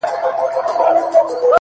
شېرینو نور له لسټوڼي نه مار باسه؛